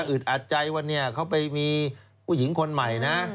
อึดอัดใจว่าเขาไปมีผู้หญิงคนใหม่นะ